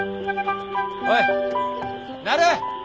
おいなる！